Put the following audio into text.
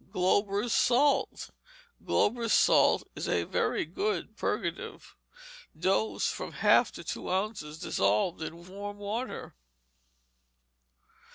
Glauber's Salt Glauber's Salt is a very good purgative. Dose, from a half to two ounces, dissolved in warm water.